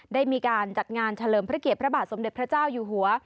ได้มีการจัดงานเฉลิมพระเกียรติพระบาทสมเด็จพระเจ้าอยู่หัว